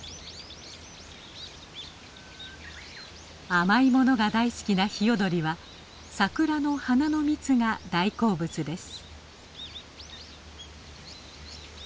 甘い物が大好きなヒヨドリはサクラの花の蜜が大好物です。